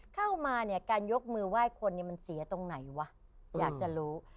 เข้ามาเนี่ยการยกมือไหว้คนเนี่ยมันเสียตรงไหนวะอยากจะรู้